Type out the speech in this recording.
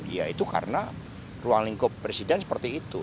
ya itu karena ruang lingkup presiden seperti itu